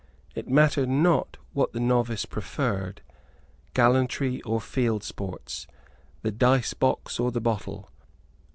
It mattered not what the novice preferred, gallantry or field sports, the dicebox or the bottle.